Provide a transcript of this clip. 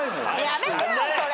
やめてよそれ。